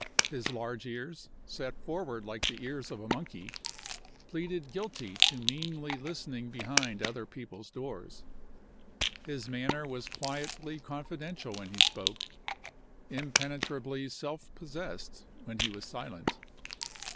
His large ears, set forward like the ears of a monkey, pleaded guilty to meanly listening behind other people's doors. His manner was quietly confidential when he spoke, impenetrably self possessed when he was silent.